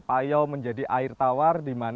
payau menjadi air tawar